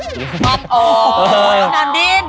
หนอนดิ้น